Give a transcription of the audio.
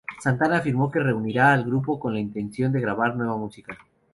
Santana afirmó que reunirá al grupo con la intención de grabar nueva música.